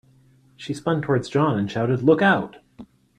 She spun towards John and shouted, "Look Out!"